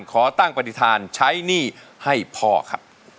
ขอตั้งปฏิฐานใช้หนี้ให้พ่อครับ